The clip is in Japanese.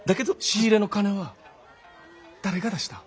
仕入れの金は誰が出した？